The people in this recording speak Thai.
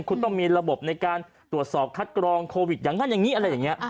คุณต้องมีระบบทรวจสอบคัดกลองโควิดอย่างนั้นอย่างนี้